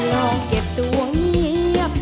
ลองเก็บตัวเงียบ